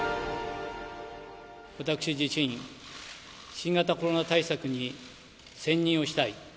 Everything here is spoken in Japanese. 私自身、新型コロナ対策に専任をしたい。